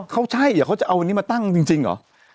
เขาใช่เหรอเขาจะเอาวันนี้มาตั้งจริงเหรอ